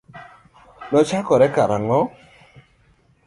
Nochakore karang'o?